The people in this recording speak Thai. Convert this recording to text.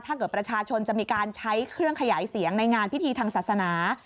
ถ้าเกิดประชาชนจะมีการใช้เครื่องขยายเสียงในงานพิธีทางศาสนา